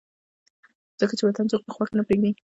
ځکه چې وطن څوک پۀ خوښه نه پريږدي